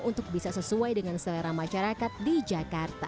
untuk bisa sesuai dengan selera masyarakat di jakarta